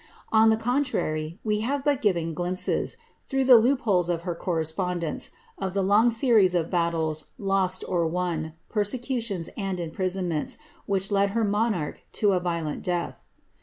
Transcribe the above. On the contrary, we have but given glimpsei, through the loopholes of her correspondence, of the long series of battles, lost or won, persecutions and imprisonments, which led her monarch to a violent death.